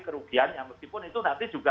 kerugiannya meskipun itu nanti juga